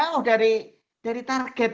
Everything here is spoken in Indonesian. masih jauh dari targetnya